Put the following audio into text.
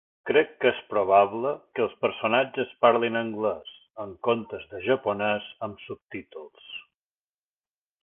Crec que és probable que els personatges parlin anglès en comptes de japonès amb subtítols.